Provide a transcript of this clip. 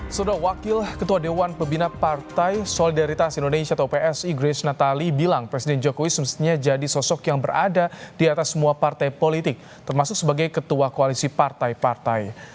sudah wakil ketua dewan pembina partai solidaritas indonesia atau psi grace natali bilang presiden jokowi semestinya jadi sosok yang berada di atas semua partai politik termasuk sebagai ketua koalisi partai partai